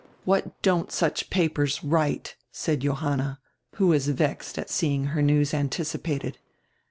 "What don't such papers write?" said Johanna, who was vexed at seeing her news anticipated.